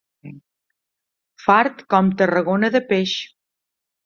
Fart com Tarragona de peix.